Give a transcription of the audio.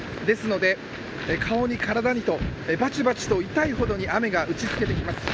ですので、顔に体にとばちばちと痛いほどに雨が打ちつけてきています。